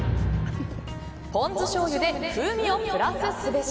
ポン酢しょうゆで風味をプラスすべし。